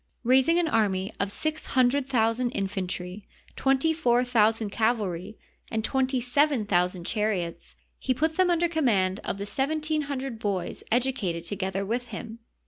Rais ing an army of six hundred thousand infantry, twenty four thousand cavalry, and twenty seven thousand char iots, he put them under command of the seventeen hundred boys educated together with him.